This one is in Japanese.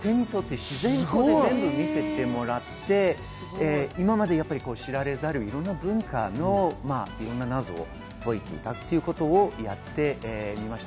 すごい！見せてもらって、今まで知られざる、いろんな文化のいろんな謎を解いていたということをやってみました。